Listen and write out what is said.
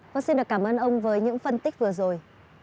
vâng xin được cảm ơn ông với những phân tích vừa rồi